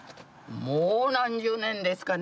もう何十年ですかね。